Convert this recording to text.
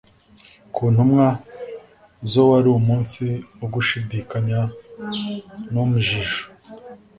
ku ntumwa zo wari umunsi wo gushidikanya n'umjijo.